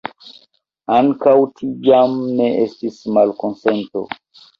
Ankaŭ tiam ne estis malkonsento.